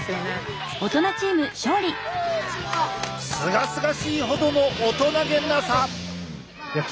すがすがしいほどの大人気なさ！